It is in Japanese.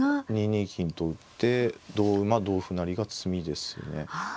２二金と打って同馬同歩成が詰みですね。